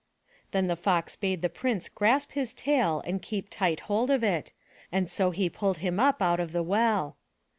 '* Then the Fox bade the Prince grasp his tail and keep tight hold of it, and so he pulled him up out of the well.